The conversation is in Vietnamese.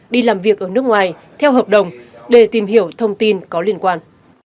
đi làm việc ở nước ngoài theo hợp đồng để tìm hiểu thông tin có liên quan